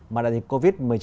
mà đại dịch covid một mươi chín